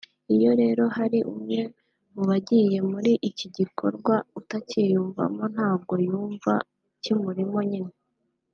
Iyo rero hari umwe mu bagiye muri iki gikorwa utacyiyumvamo ntabwo yumva kimurimo nyine